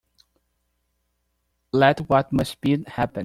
Let what must be, happen.